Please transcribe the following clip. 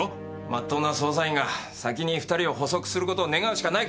真っ当な捜査員が先に２人を捕捉する事を願うしかないか。